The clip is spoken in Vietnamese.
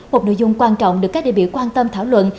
một nội dung quan trọng được các đề biểu quan tâm thảo luận